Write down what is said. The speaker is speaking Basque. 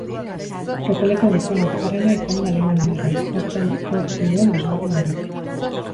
Tropeleko gizon azkarrena izan da alemaniarra, aurten lortzen duen bosgarren garaipena.